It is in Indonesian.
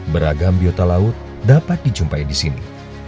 beragam biota laut dapat dijumpai di sini